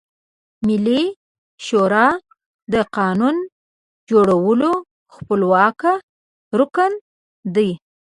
ملي شورا د قانون جوړولو خپلواکه رکن ده.